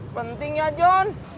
penting ya john